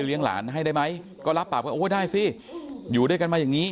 เลี้ยงหลานให้ได้ไหมก็รับปรับโอ้ได้สิอยู่ด้วยกันมาอย่างนี้